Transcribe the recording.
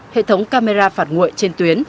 hệ thống camera phạt nguội trên tuyến